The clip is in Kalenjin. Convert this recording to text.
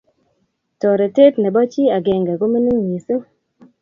Toretet nebo chii agenge komining mising